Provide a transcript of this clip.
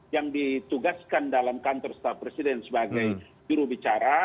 yang ditugaskan dalam kantor setelah presiden sebagai juru bicara